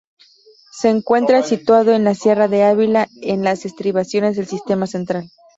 Se encuentra situado en la sierra de Ávila, en las estribaciones del Sistema Central.